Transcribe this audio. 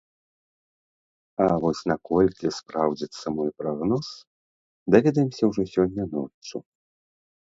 А вось наколькі спраўдзіцца мой прагноз, даведаемся ўжо сёння ноччу.